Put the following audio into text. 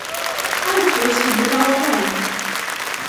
I've posted the powerpoint.